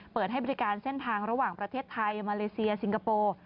เปิดให้บริการเส้นทางระหว่างประเทศไทยมาเลเซียสิงคโปร์